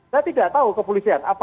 saya tidak tahu kepolisian